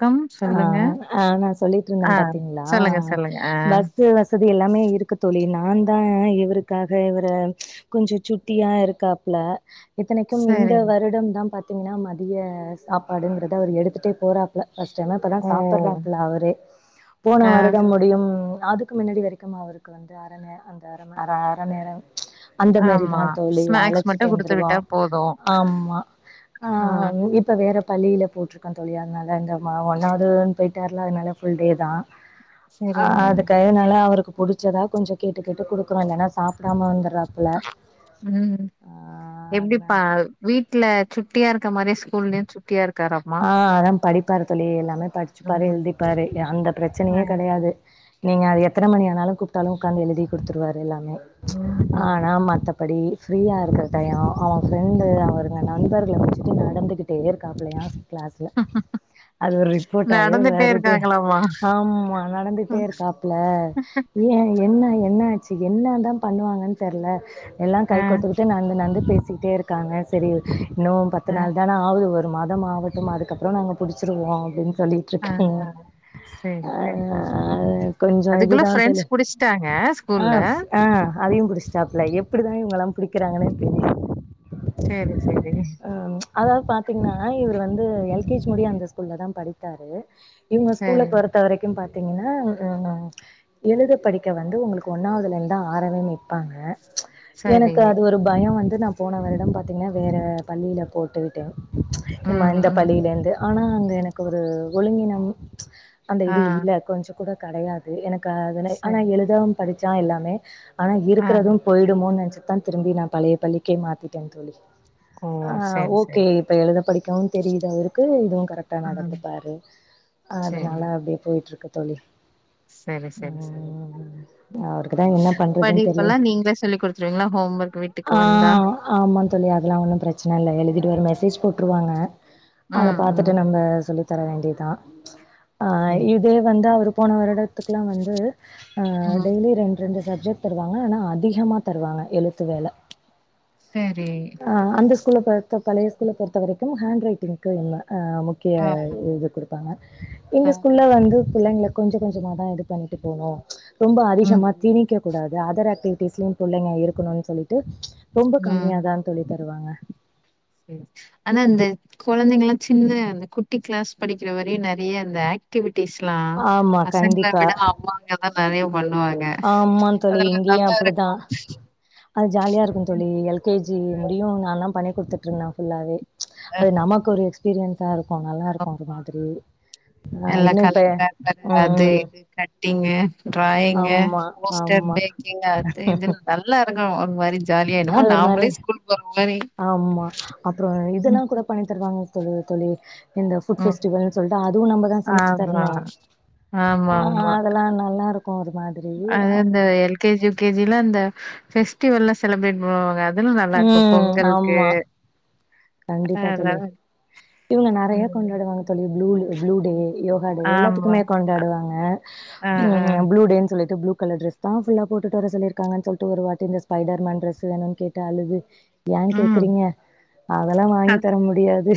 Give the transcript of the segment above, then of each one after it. Come ஆ சொல்லுங்க ஆ நா சொல்லிட்ருந்தே ஆ பாத்தீங்களா சொல்லுங்க சொல்லுங்க ஆ பஸ்ஸு வசதி எல்லாமே இருக்கு தோ லி நாந்தா இவருக்காக இவர கொஞ்ச சுட்டியா இருக்காப்ல இத்தனைக்கும் இந்த சரி வருடம்தா பாத் தீங்னா மதிய சாப்பாடுங்கிறத அவர் எடுத்துட்டே போறாப்ல ஃபஸ்ட் டைமா இப்பதா ஓ சாப்பட்றாப்ல அவரே போன ஆ வருடம் முடியும் அதுக்கு முன்னாடி வரைக்கும் அவருக்கு வந்து அர நே அந்த அர நே அர அர நேரோ அந்த ஆமா மாரிதா தோழி ஸ்நாக்ஸ் மட்டு அழைச்சிட்டு குடுத்து வந்துருவோ விட்டா போது ஆமா ஆ இப்ப வேற பள்ளியில போட்டிருக்கோ தோழி அதனால இந்த ஆமா ஒன் அவருனு போயிட்டார்ல அதனால ஃபுல் டே தா அ சரிங்க அதுக்காகயனால அவருக்கு புடுச்சதா கொஞ்சோ கேட்டு கேட்டு குடுக்குறே இல்லன சாப்டாம வந்த உம் அதுனா எப்டிப்பா வீட்ல சு சுட்டியா இருக்க மாரி ஸ்கூல்லேயு சுட்டியா இருக்கு ஆ அதெல்லா படிப்பாரு தோழி எல்லாமே படிச்சு பாரு ஆமா எழுதிப்பாரு அங்க பிரச்சனையே கெடயாது நீங்க அ எத்த மணி ஆனாலு கூப்ட்டாலு ஒட்காந்து எழுதி குடுத்ருவார் எல்லாமே ம் ம் ஆனா மத்த அப்படி ஃப்ரீயாக இருக்குற டயோ அவ ஃப்ரெண்டு அவுங்க நண்பர்கள வச்சுட்டு நடந்துகிட்டே இருக்காப்லையா கிளாஸ்ல அது ஒரு ரிப்போட்டாவே நடந்துட்டே வருது இருக்காங்களாமா ஆமா நடந்துகிட்டே இருக்காப்ல ஏ என்ன என்ன ஆச்சு என்ன தா பண்ணுவாங்கன் தெர்ல எல்லா ஆ கை கோத்துக்கட்டு நடந்து நடந்து பேசிக்கிட்டே இருக்காங்க சரி இன்னு பத்து ஆ நாள் தான ஆகுது வரு மத மாவட்டம் அதுக்கப்புறோ நாங்க புடிச்சுருவோ அப்டின்னு சொல்லிட்டு ஆ இருக்காங்க சரி ஆ சரி கொஞ்சோ அதுக்குள்ள இதுதா தோழி ஃப்ரெண்ட்ஸ் புடிச்சிட்டாங்க ஆ ஸ்கூல்ல ஆ அதையு புடுச்சாப்ல எப்டிதா இவுங்க எல்லா புடிக்குறாங்கன்னே தெரியல்ல சேரி சேரி அதாவ்து பாத்தீங்கன்னா இவரு வந்து இது எல் கே ஜி முடிய அந்த ஸ்கூ ஸ்கூல்ல தா படிச்சாரு இவுங்க ஸ்கூல்ல சரி பொறுத்த வரைக்கு பாத் பாத்தீங்கனா ம்ம் எழுத படிக்க வந்து ஒங்களுக்கு ஒன்னாவதுல இருந்துதா ஆரமிப்பாங்க சரி எனக்கு அது ஒரு பயோ வந் நா போன வருடோ பாத்தீங்கனா வேற பள்ளியில போட்டுவிட்டே ஏம்மா ம் இந்த ம் பள்ளியில இருந்து ஆனா அங்க எனக்கு ஒரு ஒழுங்கினம் அந்த ஆ இது இல்ல கொஞ்ச கூட கடையாது எனக் காதனே சரி ஆனா எழுத படிச்சா எல்லாமே ஆனா ஆ இருக்கறது போய்டுமோ நெச் தான் திரும்பி நா பழைய பள்ளிக்கே மாத்திட்டே தோழி ஓ ஆ செரி ஓகே செரி இப்ப எழுத படிக்கவு தெரியுதவருக்கு இதுவு கரெக்டா ம் நடந்துப்பாரு செரி அதனால அப்பிடி போயிட்ருக்கு தோழி செரி செரி செரி ம்ம் அவருக்குதா என்ன பண்றதுன்னு தெர்லயே படிப்பெல்லா நீங்களே சொல்லி் குடுத்துருவீங்களா ஹோம் ஒர்க் வீட்டுக்கு ஆ வந்தா ஆமா தோழி அதெல்லா ஒன்னு பிரச்சன இல்ல எழுதிட்டு ஒரு மெசேஜ் போட்டுருவாங்க அத ம் ம் பாத்துட்டு நம்ப சொல்லித்தர வேண்டிதா ஆ சேரி இதே வந்து அருக் போன வருடத்துக்குலா வந்து ஆ ம் டெய்லி ரெண்ட் ரெண்டு சப்ஜெக்ட் தருவாங்க ஆனா அதிகமா தருவாங்க எழுத்து வேல செரி ஆ அந்த ஸ்கூல்ல பொத்த பழைய ஸ்கூல்ல பொறுத்தவரைக் உ ஹண்ட்ரைட்ய்டு டிங்கு இல்ல ஆ முக்கிய ஆ இது குடு ப்பாங்க எங்க ஆ ஸ்கூல்ல வந்து பிள்ளைங்கள கொஞ்ச கொஞ்சமாதா இது பண்ணிட்டு போனோ ரொம்ப அதிசமா ம் திணிக்க கூடாது எ அதர் ஆக்டிவிட்டிஸ்லியு புள்ளைங்க இருக்கணு சொல்லிட்டு ரொம்ப ம் கம்மியாதா தோழி தருவாங்க ஆனா இந்த கொழந்தைங்கல்லா சின்ன அந்த குட்டி கிளாஸ் படிக்கிற வரையு நெறைய அந்த ஆக்டிவிட் டிஸ்லா ஆமா பசங்கள கண்டிப்பா. விட அம்மாங்கதா நெறையப் ஆமா தோழி இங்கியு அப்டிதா இருக்கு அது ஜாலியா இருக்கும் தோழி எல் கே ஜி முடியு நால்லா பண்ணி குடு த்துட்ருந்த ஃபுல்லாவே ஆ அது நமக்கு ஒரு எக்ஸ்பீரிய சாரு ஆமா ஆ எல்லா இன்னு இப்ப கலர் பேப்பரு அது ம் இது கட்டிங்கு ட்ரா யிங்கு ஆமா ஹோஸ்டர் ஆமா பேக்கிங் அது இது நல்லா இரு க்கும் ஒரு மாரி ஜாலியா என்னமோ அது ஒரு மாரி நாமளே ஸ்கூல் போற மாரி ஆமா அப்புறோ இதுல்லா ம் கூட பண்ணி தருவாங்க சொல்லுங்க தோழி இந்த ஃபுட் ம் பெஸ்டிவல் சொல்ட்டு அதுவு நம்பதா சமைச்சி ஆமா தரணு ஆமா ஆ ஆமா அதெல்லா நல்லா இருக்கும் ஒரு மா அது அந்த L K G U K ஜியில்ல அந்த பெஸ்டிவெல்லா செலப்ரேட் பண்ணுவாங்க அதுல்லா நல்லா இருக்கும் ம் பொங்கல்க்கு ஆமா கண்டிப்பா தோழி இவுங்க நெறையா ம் கொண்டாடுவாங்க தோழி ப்ளூல ப்ளூ டே ம். யோகா டே ஆமா எல்லாத்துக்குமே கொண்டாடுவாங்க ஆ ஆ ம் ப்ளூ டேன் சொல்லிட்டு ப்ளு கலர் டிரெஸ் தா ஃபுல்லா போட்டுட்டு வர சொல்லியிருக்காங்கன் சொல்ட்டு ஒரு வாட்டி இந்த ஸ்பைடர் மேன் டிரஸு வேணுன்னு கேட்டு அழுது ஏன் ம் கேக்கறீங்க அதெல்லா அ. வாங்கி தர முடி யாது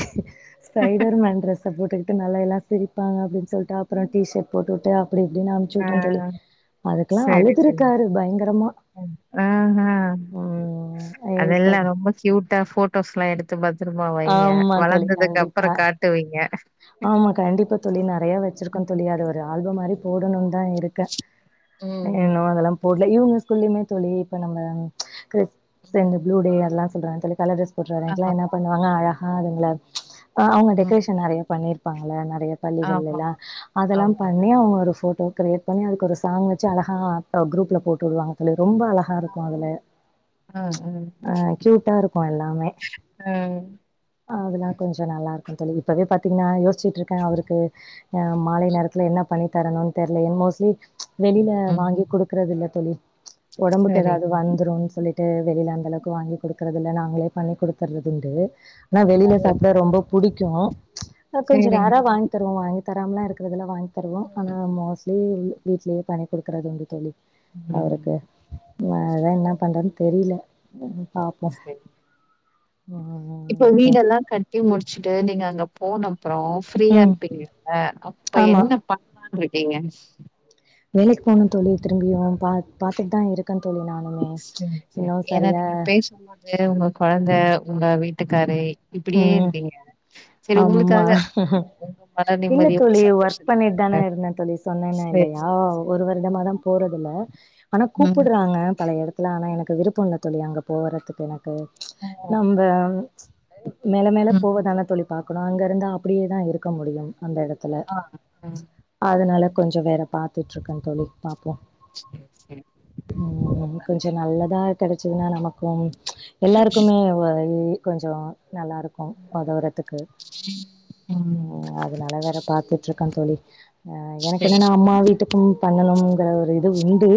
ஸ்பைடர் மேன் டிரஸ் அத போட்டுக்கிட்டு நல்லா எல்லா சிரிப்பாங்க அப்டின் சொல்ட்டு அப்புற டீ ஷட் போட்டு உட் டு அப்டி இப்டின்னு ஆ அம்ச்சிவுட்டன் தோழி அதுக்கெல்லா சேரி சேரி அழுதுருக்காரு பயங்கரமா ஆஹா ம் இப்பதா து பத் தரமா வைங்க வளந்ததுக்கப்புற காட்டுவீங்க ஆமா கண்டிப்பா தோழி நறையா வச்சிருக்கோம் தோழி ம். அத ஒரு ஆல்பம் மாரி போடணு அதா இருக்கே ம், ஆ இன்னு ம். அதெல்லா போடல இவங்க குள்ளயுமே தோழி இப்ப நம்ம கிறிஸ் ம். சேந்து ப்ளூ டே எல்லா சொல்றாங்க தோழி கலர் டிரஸ் போட்டு வர அன்னைக்கெல்லா என்னா ஆமா. பண்ணுவாங்க அழ ஹா அதுங்கள ஆ அவங்க ம். டெக்கரேஷன் நெறைய பண்ணிருப்பாங்கல்ல நெ றைய பள்ளிகள்ல ஆமா, எல்லா அதெல்லா ஆமா. பண்ணி அவங்க ஒரு ஃபோட் டோ கிரியேட் பண்ணி அதுக்கு ஒரு சாங் வச்சு அழகா ஆ குரூப்ல போட்டு விடுவாங்க தோழி ரொம்ப அழகா இருக்கு அதுல அ, அ, ஆ கியூட்டா இருக்கு எல்லாமே அ. அதெல்லா கொஞ்ச நல்லா இரு ஆ தோழி இப்பவே பாத் தீங்னா யோசிச்சிட்ரு க்கே அவருக்கு ஆ மாலை நேரத்தில என்ன பண்ணி தரணுன் தெர்ல ஏன் மோஸ்ட்லி வெளில ம். வாங்கி குடுக்குறது இல்ல தோழி ஒடம்புக்கு சரி. ஏதாது வந்துருன்னு சொல்லி ட்டு வெளில அந்தளவுக்கு வாங்கி குடுக்குறதி இல்ல நாங்களே பண்ணி குடுத்தர்றது உண்டு ஆனா வெளில நல்ல சாப்ட பழக்கம். ரொம்ப புடிக்கு ஆ கொஞ்ச சரிங்க. ரேரா வாங்கித் தருவோ வாங்கி தராமல்லா இருக்கிறது இல்ல வாங்கி தருவோ ஆனா ம். மோஸ்ட்லி வீட்லயே பண்ணி குடுக்குறது உண்டு தோழி அவருக்கு ம். ஆ அதா என்ன பண்றதுன் தெரியல பாப்போம். சேரி ம். இப்ப ம். வீடெல்லா கட்டி முடிச்சுட்டு நீங்க அங்க போன ப்றோ ஃப்ரீயா ம். இருப்பீங்கல்ல அப்ப ஆமா. என்ன பண்லான் இருக் கீங்க வேலைக்கு போகணுந் தோழி திரும்பியு பா பாத்துட்தா இருக்கே சேரி சேரி ஏன்னா நீங்க பேசும்போது [unintelligible] உங்க குழந்த உங்க வீட்டுக்காரு உ இப்படியே இருக்கீங்க. சரி ஆமா உங்களுக்காக, உங்க மன இல்ல நிம்மதி, உங்க தோழி ஒர்க் பண்ணிட்டு சந்தோஷத்துக்காக. தானே இருந்தே தோழிசொன்னேனா சரி, இல்லையா சரி, சரி. ஒரு வருடமா தா ஆமா. போறது இல்ல ஆனா ம். கூப்பிடுறாங்க பழைய எடத் இதலா ஆனா எனக்கு விருப்ப இல்ல தோழி அங்க போகறதுக்கு எனக்கு ச் ஓ! நம்ப மேல மேல ம். போவதான தோழி பார்க்கணு அங்க இருந்தா அப்படியே தா இருக்க முடியு அந்த எடத்துல ஆ, ஆ. அதனால கொஞ்ச வேற பாத்துட்ருக்கே தோழி பாப்போ சரி, சரி. உ கொஞ்ச பண்ணுங்க, பண்ணுங்க. நல்லதா கிடைச் என்னா நமக்கு எல்லாருக்குமே வது கொஞ்சோ நல்லா இருக்கு உதவுரத்துக்கு ஆ ம். அது நல்ல வேற பாத்துட்ருக்கொ தோழி ஆ எனக்கு சரி. என்னன்னா அம்மா வீட்டுக்கு பண்ணணு அதுல ஒரு இது உண்டு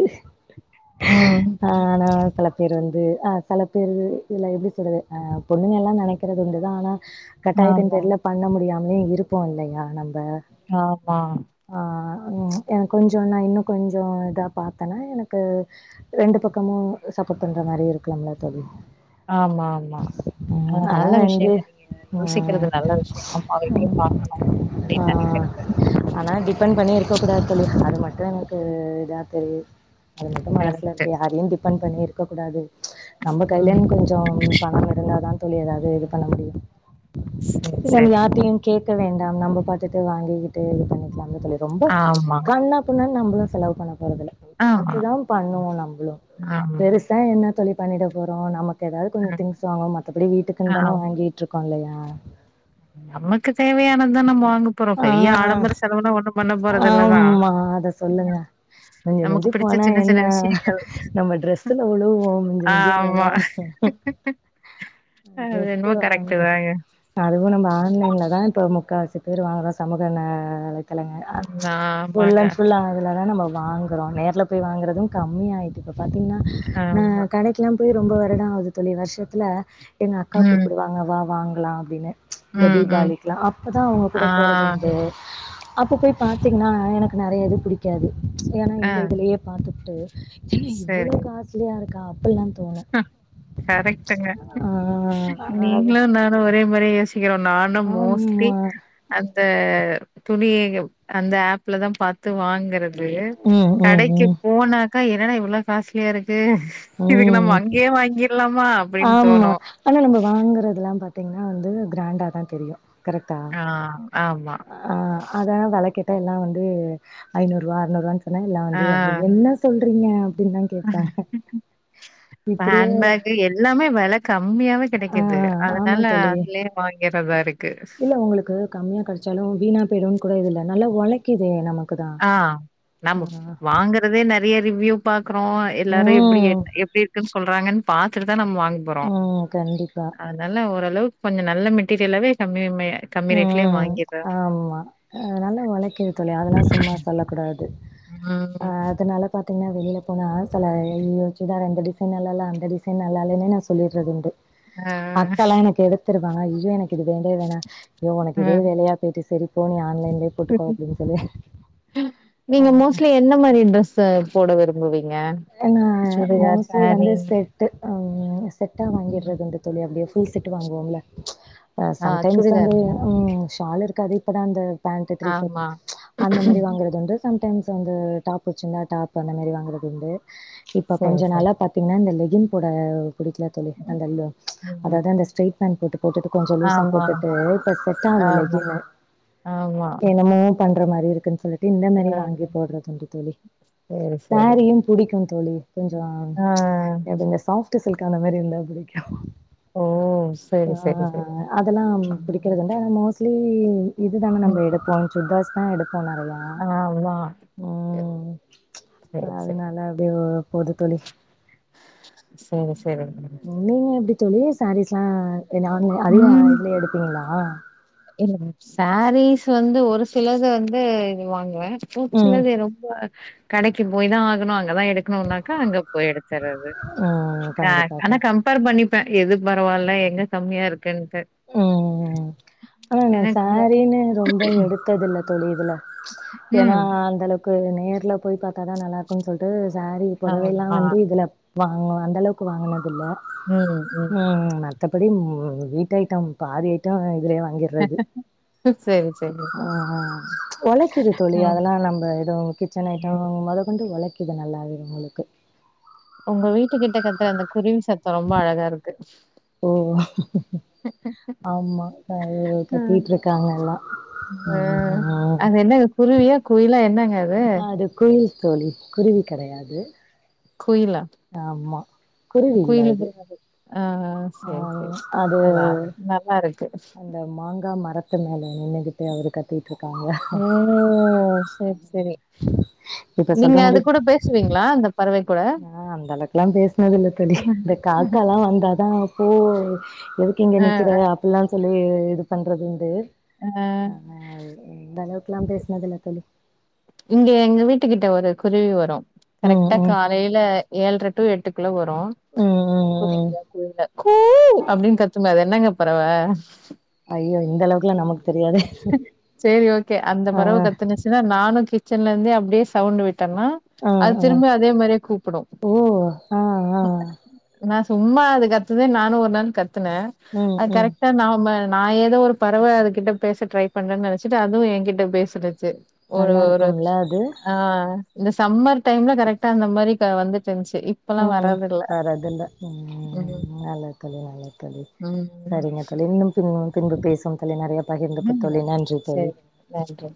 ம். ஆஹ்னா சில பேர் வந்து ஆ சில பேரு இல்ல எப்படி சொல்றது பொண்ணுங்கல்லா நினைக்க பாக்கிற உண்டுதா கட்டாயத்தின் ஆமா, பேர்ல பண்ண முடியாம ஒன்னு இருப்போ இல்லையா நம்ப ஆ ஆமா, ஆ ஆ எனக்கு கொஞ்சோ நா இன்னு கொஞ்ச இதா பாத்தேன்னா எனக்கு ரெண்டு பக்கமு சப்போர்ட் பண்ணுற மாரி இருக்கலாம்லா தோழி ஆமா ஆமா ஆ ஆனா வந்து ஆ விஷயம். அம்மா வீட்டையும் பார்க்கணும் ஆ அப்படின்னு நெனைக்கிறது. ஆனா டிபெண்பண்ணி இருக்க கூடாது தோழி அது மட்டு எனக்கு ம். இதா இருக்கு அது மட்டும் மனசுல கரெக்ட்டு. இருக்கு யாரையு டிபெண்பண்ணி [unintelligible] பண்ணி இருக்க கூடாது நம்ம கய்லையு ம். கொஞ்சோ பணம் இருந்தாதா தோழி ஏதாவது இது பண்ண முடியு சரி, நம்மா சரி. யார்ட்டயு கேட்டு வேண்டாம் நம்ம பாத்துட்டு வாங்கிக்கிட்டு இது பண்ணிக்கலா இதுல ரொம்ப ஆமா, கண்ணா பிண்ணா நம்புலு செலவு பண்ணு போறதில்ல ஆமா, பாத்துதா பண்ணுவோ நம்ளு ஆமா, பெருசா என்ன தோழி பண்ணிடபோறோ நமக் த் எதாது கொஞ்சோ ம், திங்ஸ் வாங்கணு மத் த்தபடி வீட்டுக்குண்தான வாங்கிட்டுருக்கோ இல்லையா ஆ நம்க்கு தேவையானதா நம்ம வாங் ஆ போறதில்ல தான். ஆமா அத சொல்லுங்க ம். மிஞ்சி நமக்கு மிஞ்சி பிடிச்ச போனா சின்ன என்ன சின்ன விஷயங்கள். நம்ம ட்ரெஸ்ல உழுவோ மிஞ்சு மிஞ்சு ஆமா. போனா அது ட்ரெஸ் என்னமோ கரெக்ட்டு வாங்க தாங்க. அதுவு நம் இந்த ஆன்லைன்லதா இப்ப முக்காவாசி பேர் வாங்கிறோ சமூதன அழைப் த்தலங்க ம் ஆமாங்க. ஃபுல்லன் ஃபுல்லா அதுலதா நம்ப வாங்குறோ நேர் த்துல போய் வங்குறது கம்மி ஆயி பாத்தீங்கன்னா ஆமா. ந கடைக்கெல்லாம் போய் ரொம்ப வருடோ ஆவுது தோழி வருஷத்துல எங்க அக்கா ம், கூப்புடுவாங்க வா வாங் ல்லா அப்பிடின்னு இந்த ம், ம். தீபாளிக்கலா அப்பதா அவுங்க ஆ, கூட போறதுண்டு அப்ப போய் பாத்தீங்ன்னா அ எனக்கு நெறைய இது பிடிக்காது ஏன்னா ஆ. இந்த இதிலியே பாத்து டு சின்னா இவ்ளோ காசிலியா இருக்கா பல்லாந் கரெக்டுங்க ஆ அத நீங்களு நானு ஒரே மாரி யோசிக்கிறோ நா ன்னா மோஸ்ட்லி ஆமா அந்த துணி அந்த ஆப்லதா பாத்து வாங்க றது ம் ம் கடைக்கு ம் போனா க்கா என்னடா இவ்ளா காஸ்ட்லியா இருக் கு இதுக்கு நம்ம ம் வாங்கிர்லாமா அப்டின்னு ஆமா தோணு ஆனா நம்ம வாங்கறதெல்லா பாத் தீங்னா வந்து கிராண்டாதா தெரியு கரெக்டா ஆ ஆமா ஆ அதல்லா வெல கேட்டா எல்லா வந்து ஐநூறுவா அறநூறுவான் சொன்னாங்க நா ஆ வந்து அது என்ன சொல் றீங்க அப்டின்தா கேப்பே இப்ப ஹேண்ட் பேகு எல்லா மே வெல க ம்மியாவே ஆ கெடைக்குது ஆமா அதனால தோழி அதுலயே வாங்கிறதா இரு இல்ல உங்களுக்கு கம்மியா கெடைச்சாலு வீணா போயிருன் கூட இதுல நல்லா ஒழைக்கிதே நமக் ஆ நாம வாங்கறதே நெ றைய ரிவ்யூ பாக் கறோ எல்லாரு எப்டி ம் என் எப்டி இருக்குன்னு சொல்றாங்கன் பாத்துட்டுதா நம்ம வா ங்க போறோ ம் கண்டிப்பா அதனால ஒரு ஓரளவுக் கொஞ்ச நல்ல மெட்டீரியலாவே கம்மி கம்மியா ம் ஆமா அதனால ஒழைக்குது தோழி அதெல்லா சும்மா சொல்லக்கூடா ம் பாத்தீங்னா வெளில போனா செல ஏ இது சுடிதார் அந்த டிசைன் நல்லால்ல அந்த டிசைன் நல்லா இல்லன்னே நா சொல்லிட்றது உண்டு ஆ அக்கால்லா எனக்கு எடுத் தருவாங்க ஐயோ எனக்கு இது வேண்டவே வேணா ஐயோ உனக்கு இதே ம் வேலையா போயிட்டு சரி போ நீ ஆன்லைன் நீங்க மோஸ்ட்லி என்ன மாரி ட்ரெஸ்ஸ போட விரும்புவீ நா மோஸ்ட்லி வந்து செட்டு ஆமா ம் செட்டாவாங்கிறதுங்க தோழி அப்டே ஃபுல் செட்டு வாங்குவோம்ல ஆ சம்டைம்ஸ் வந்து ம் ஷாலு காது இப்பதா அந்த பேண்ட்டு த்ரீ ஃபோர் ஆமா அந்த மேரி வாங்கறது வந்து சம்டைம்ஸ் வந்து டாப் வச்சிருந்தா டாப் அந்த மேரி வாங்கறது உண்டு இப்ப கொஞ்ச சேரி நாள சேரி பாத்தீங்கினா இந்த லெ கின் போட புடிக்கல தோழி அந்த ம் அதாவது அந்த ஸ்ரைட் பேன்ட் போட்டு போட்டுட்டு கொஞ்சம் லூசா ஆமா போட்டுட்டு ஆமா இப்ப செட்டாவல ஆமா லெகினு ஆமா என்னமோ பண்ற மாரி இருக்குன் சொல்லி ட்டு இந்த மாரி ஆ வாங்கி போடறது உண்டு தோழி சேரி சேரி சேரியு கும் தோழி கொஞ்சம் ஆ எப்டி இந்த சாப் ட்டு சில்க் அந்த மாரி இருந்தா புடிக்கும் ஓ ஆ சேரி ஆ சேரி சேரி ஆ அதெல்லாம் ம் பிடிக்கறது உண்டு ஆனா மோஸ் கிளின் இதுதாங்க நம்ப ம். எடுப்போம் சுடிதார்ஸ் தா எடு போ நறயா ஆமா ம் சேரி சேரி அதனால அப்டே ஓ போது தோழி சேரி சேரிங்க நீங்க எப்டி தோழி சேரீஸ்லா ரெனே ஆன்லை அதையு ம் இதுலே எடுப்பீங்களா ஆ இல்ல சேரீஸ் வந்து ஒரு சிலது வந்து இது வாங்குவ ஒரு ம் சிலது ரொம்ப கடைக்கு போயி தா ஆகணும் அங்கதான் எடுக்கணுன்னாக்கா அங்க போயி எடுத்தறது ம் க கண்டிப்பாக்கா. ஆனா கம்பேர் பண்ணி ப்ப எது பரவாயில்ல எங்க கம்மியா இருக் இருக்கன்னுட்டு ம் ஆனா நான் சரீனு ரொம்ப எடுத்தது இல்ல சொல்லுங்கப்பா ஏன்னா ம் அந்த அளவுக்கு நேர்ல போய் பார்த்தாதான் நல்லா இருக்கும்ன்னு சொல்லிட்டு சாரீ புடவைல்லாம் ஆமா வந்து இதுல வாங்க அந்த அளவுக்கு வாங்கினது இல்ல உஹம் உம் மற்றபடி வீட்டு ஐட்டம் பாதி ஐட்டம் காலி இதுல வாங்கிடுறது செரி செரி ஆஹ்ஹ் உழைக்குது தோழி ம் அதெல்லாம் நம்ம எதுவும் கிச்சன் ம் ஐட்டம் மொத கொண்டு உழைக்க இது நல்லாவே இல்ல உங்களுக்கு உங்க வீட்டு கிட்ட கத்துற அந்த குருவி சத்தம் ரொம்ப அழகா இருக்கு ஓ ஆமா அது ம் கத்தட்டு இருக்காங்கல்லாம் ஆ ஆஹ் அது என்னங்க குருவியா குயிலா என்னங்க அஹ அது குயில் தோழி குருவி கிடையாது குயிலா குருவி இல்ல குயில் அது இருக்காது ஆஹ ஆ சரி சரி அது அதான் நல்லா இருக்கு அந்த மாங்காய் மரத்து மேல நின்னுகிட்டு அவரு கத்தி க்கா ஓ! சரி, சரி. இப்ப சொல்ற நீங்க மாதிரி அது கூட பேசுவீங்களா? அந்த பறவை கூட? ஆஹ அந்த அளவுக்கு எல்லாம் பேசனது இல்ல தோழி இந்த காக்க எல்லாம் வந்தாதான் ஓ எதுக்கு இங்க அ, அ, நிக்கிற அப்டில்லாம் சொல்லி இது பண்றது அ. அந்த அளவுக்குெல்லாம் பேசுனதுல்ல தோழி இங்க எங்க வீட்டு கிட்ட ஒரு குருவி வரும் ம் கரெக்டா ம் காலையில ஏழுர டூ எட்டர உள்ள வரும் ம் ம் அப்றோ ம் கோயில கூ அப்டின் கத்துமே அது என்னங்க பறவ ஐயோ இந்த அளவுக்குல நமக் செரி ஓகே அந்த ஆ பறவ கத்துனுச்சின்னா நானும் கி ச்சன்ல இருந்து அப்டே சவுண்டே விட் டன ஆ அது ஆ திரும்பி அதே மாரியே கூப்புடும் ஓ ஆ ஆ நா சும்மா அது கத்துதே நானும் ஒரு நாள் கத் துன ம் அது ம் கரெட்டா நாம நா எதோ ஒரு பறவ அது கிட்ட பேச ட்ரை பண்றேன்னு நெனைச்சிட்டு அதுவும் என் கிட்ட பேசிடிச்சி ஒரு நல்லா ஒரு இருக்கும்ல அது ஆ இந்த சம்மர் டைம்ல கரெட்டா அந்த மாரி க வந்து ம் வறதுல்ல ம் நல்லது தோழி நல்லது தோழி ம் சரிங்க தோழி இன்னும் பின் பின்பு பேசுவோம் தோழி நறையா ம் செரி நன்றி